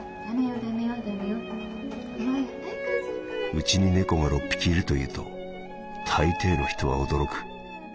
「うちに猫が六匹いると言うと大抵の人は驚く。